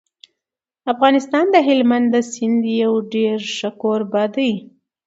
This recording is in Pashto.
افغانستان د هلمند د سیند یو ډېر ښه کوربه دی.